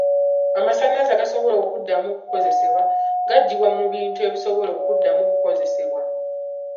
Amasannyalaze agasobola okuddamu okukozesebwa gaggyibwa mu bintu ebisobola okuddamu okweyambisibwa.